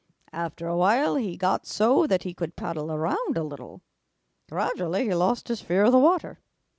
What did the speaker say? After a while he got so that he could paddle around a little. Gradually he lost his fear of the water.